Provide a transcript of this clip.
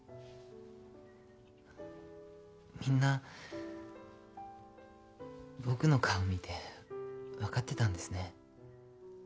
みんな僕の顔見て分かってたんですね。